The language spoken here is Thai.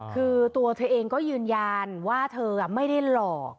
คือตัวเธอเองก็ยืนยันว่าเธอไม่ได้หลอก